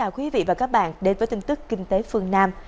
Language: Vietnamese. xin mời quý vị và các bạn đến với tin tức kinh tế phương nam